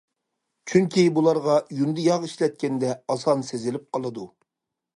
چۈنكى بۇلارغا يۇندى ياغ ئىشلەتكەندە، ئاسان سېزىلىپ قالىدۇ.